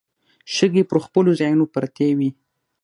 شګې پر خپلو ځايونو پرتې وې.